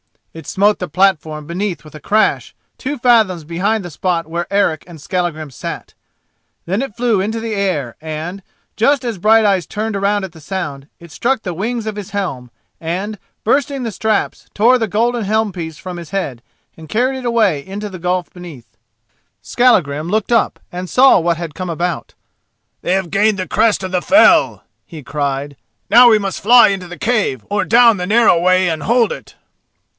It smote the platform beneath with a crash, two fathoms behind the spot where Eric and Skallagrim sat. Then it flew into the air, and, just as Brighteyes turned at the sound, it struck the wings of his helm, and, bursting the straps, tore the golden helm piece from his head and carried it away into the gulf beneath. Skallagrim looked up and saw what had come about. "They have gained the crest of the fell," he cried. "Now we must fly into the cave or down the narrow way and hold it."